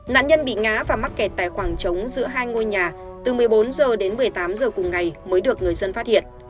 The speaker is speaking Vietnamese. nạn nhân bị ngã và mắc kẹt tại khoảng trống giữa hai ngôi nhà từ một mươi bốn h đến một mươi tám h cùng ngày mới được người dân phát hiện